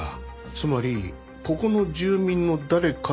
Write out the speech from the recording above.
つまりここの住民の誰かの犯行だと？